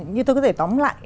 như tôi có thể tóm lại